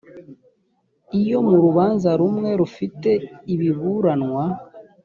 iyo mu rubanza rumwe rufite ibiburanwa